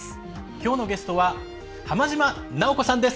きょうのゲストは浜島直子さんです。